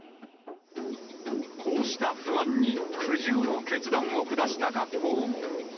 こうした不安に苦渋の決断を下した学校も。